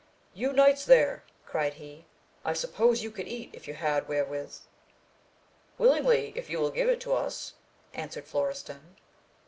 You knights there, cried he, I suppose you could eat if you had wherewith ! Willingly, if you will give it us, answered Florestan.